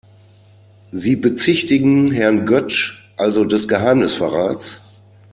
Sie bezichtigen Herrn Götsch also des Geheimnisverrats?